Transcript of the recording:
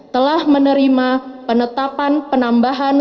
telah menerima penetapan penambahan